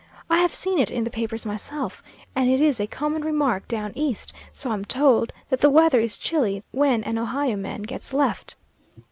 I have seen it in the papers myself, and it is a common remark Down East, so I'm told, that the weather is chilly when an Ohio man gets left.